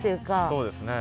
そうですね。